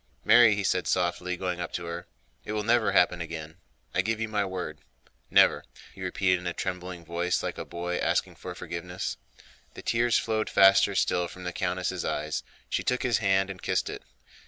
"Mary," he said softly, going up to her, "it will never happen again; I give you my word. Never," he repeated in a trembling voice like a boy asking for forgiveness. The tears flowed faster still from the countess' eyes. She took his hand and kissed it.